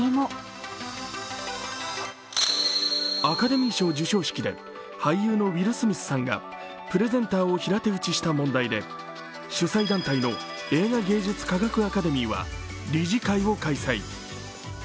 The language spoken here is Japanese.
アカデミー賞授賞式で俳優のウィル・スミスさんがプレゼンターを平手打ちした問題で主催団体の映画芸術アカデミーは理事会を開催。